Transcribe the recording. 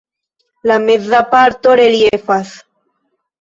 La meza parto reliefas.